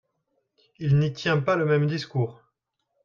Il n’y tient pas le même discours.